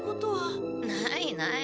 ないない。